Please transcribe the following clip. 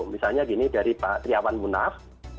misalnya gini dari pak triawan munaf